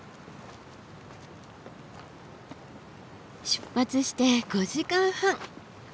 出発して５時間半。